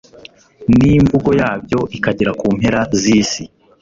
n’imvugo yabyo ikagera ku mpera z’isi